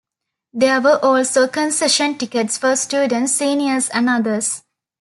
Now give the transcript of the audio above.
There were also concession tickets for students, seniors and others.